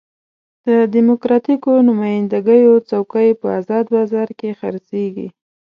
د ډیموکراتیکو نماینده ګیو څوکۍ په ازاد بازار کې خرڅېږي.